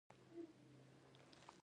موزیک له چاپېریال الهام اخلي.